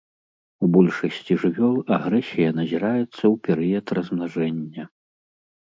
У большасці жывёл агрэсія назіраецца ў перыяд размнажэння.